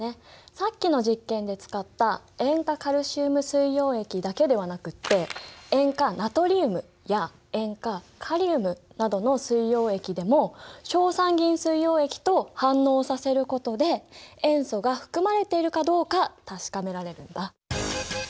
さっきの実験で使った塩化カルシウム水溶液だけではなくって塩化ナトリウムや塩化カリウムなどの水溶液でも硝酸銀水溶液と反応させることで塩素が含まれているかどうか確かめられるんだ。